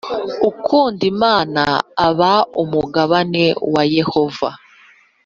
Ukunda Imana aba umugabane wa Yehova